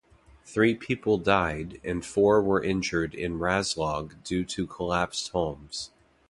Three people died and four were injured in Razlog due to collapsed homes.